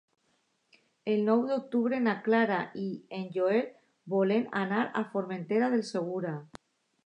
El nou d'octubre na Clara i en Joel volen anar a Formentera del Segura.